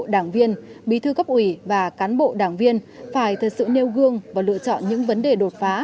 đảng viên bí thư cấp ủy và cán bộ đảng viên phải thật sự nêu gương và lựa chọn những vấn đề đột phá